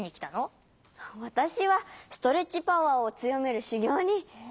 わたしはストレッチパワーをつよめるしゅぎょうに。